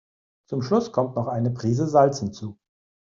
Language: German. Zum Schluss kommt noch eine Prise Salz hinzu.